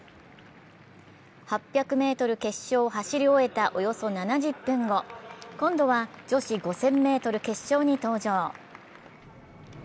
８００ｍ決勝を走り終えたおよそ７０分後、今度は女子５０００ｍ決勝に登場。